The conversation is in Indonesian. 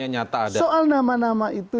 nyata soal nama nama itu